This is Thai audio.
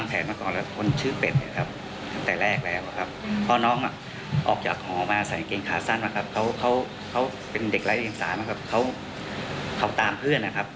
เพราะน้องออกจากออกมาใส่เกงขาสั้นมาครับเขาเป็นเด็กไร้อย่างสามารถเขาตามเพื่อนนะครับ